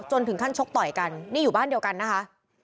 ถึงขั้นชกต่อยกันนี่อยู่บ้านเดียวกันนะคะ